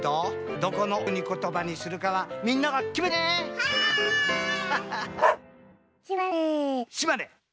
どこのお国ことばにするかはみんながきめてね！